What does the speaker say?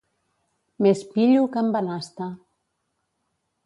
Més «pillo» que en Banasta.